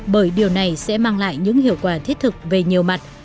bởi điều này sẽ mang lại những hiệu quả thiết thực về nhiều mặt